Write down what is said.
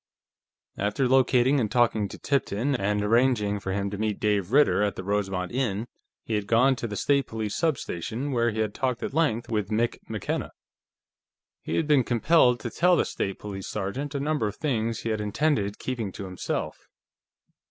After locating and talking to Tipton and arranging for him to meet Dave Ritter at the Rosemont Inn, he had gone to the State Police substation, where he had talked at length with Mick McKenna. He had been compelled to tell the State Police sergeant a number of things he had intended keeping to himself.